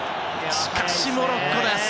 しかしモロッコです。